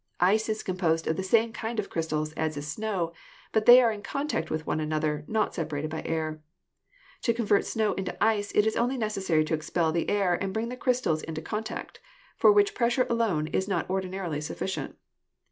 Ice is composed of the same kind of crystals as is snow, but they are in contact with one an other, not separated by air. To convert snow into ice it is only necessary to expel the air and bring the crystals into contact, for which pressure alone is not ordinarily suffi cient.